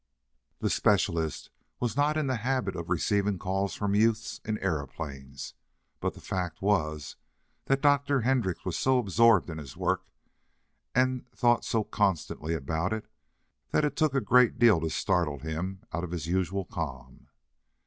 The specialist was not in the habit of receiving calls from youths in aeroplanes, but the fact was, that Dr. Hendrix was so absorbed in his work, and thought so constantly about it, that it took a great deal to startle him out of his usual calm.